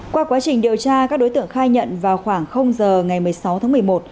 qua quá trình điều tra các đối tượng khai nhận vào khoảng giờ ngày một mươi sáu tháng một mươi một